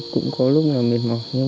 chào bố chú ạ